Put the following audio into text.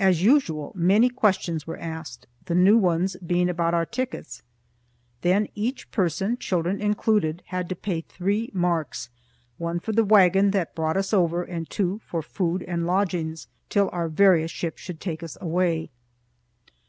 As usual, many questions were asked, the new ones being about our tickets. Then each person, children included, had to pay three marcs one for the wagon that brought us over and two for food and lodgings, till our various ships should take us away.